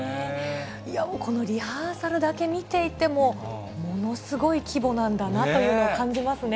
このリハーサルだけ見ていても、ものすごい規模なんだなというのを感じますね。